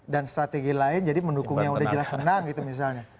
dan strategi lain jadi mendukung yang udah jelas menang gitu misalnya